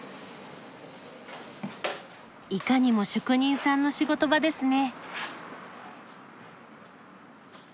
いかにも職人さんの仕事場ですね。